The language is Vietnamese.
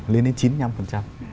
lên đến chín mươi năm